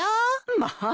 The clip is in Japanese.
まあ！